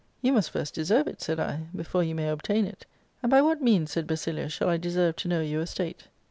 * You must first deserve it,' said I, * before you may obtain it.' *And by what means,' said Basilius, * shall I deserve to know your estate?'